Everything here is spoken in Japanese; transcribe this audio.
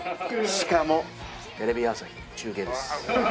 しかもテレビ朝日中継です。